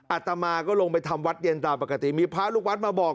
อาตมาก็ลงไปทำวัดเย็นตามปกติมีพระลูกวัดมาบอก